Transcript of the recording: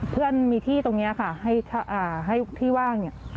เพื่อนมีที่ตรงนี้ค่ะให้ที่ว่างเนี่ย